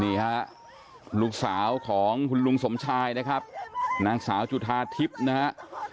นี่ฮะลูกสาวของคุณลุงสมชายนะครับนางสาวจุธาทิพย์นะฮะ